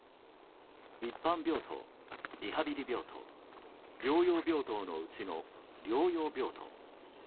一般病棟、リハビリ病棟療養病棟のうちの療養病棟。